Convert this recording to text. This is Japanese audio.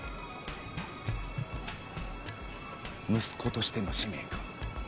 息子としての使命か？